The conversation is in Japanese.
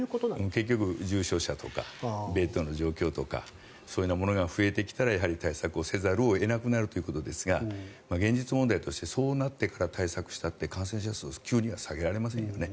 結局は重症とかベッドの状況とかそういうものが増えてきたら対策せざるを得なくなるということですが現実問題としてそうなってから対策したって感染者数すぐには下げられないですよね。